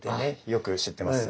よく知ってます。